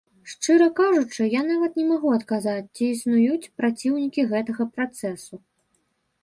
Шчыра кажучы, я нават не магу адказаць, ці існуюць праціўнікі гэтага працэсу.